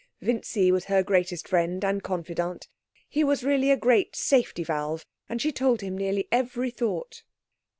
Vincy was her greatest friend and confidant. He was really a great safety valve, and she told him nearly every thought.